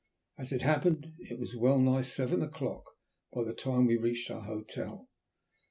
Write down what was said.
As it happened it was well nigh seven o'clock by the time we reached our hotel.